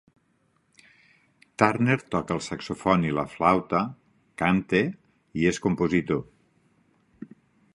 Turner toca el saxofon i la flauta, canta i és compositor.